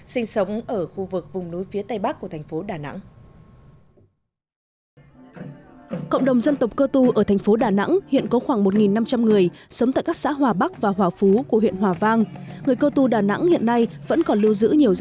sinh sống ở khu vực vùng núi phía tây bắc của thành phố đà nẵng